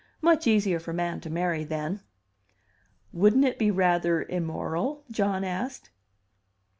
Much easier for man to marry then." "Wouldn't it be rather immoral?" John asked.